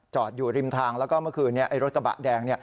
อยู่ริมทางแล้วก็เมื่อคืนรถกระบะแดง